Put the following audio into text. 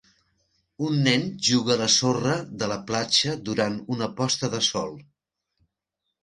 Un nen juga a la sorra de la platja durant una posta de sol.